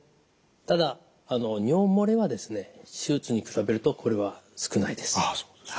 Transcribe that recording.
ただ尿漏れはですね手術に比べるとこれは少ないです。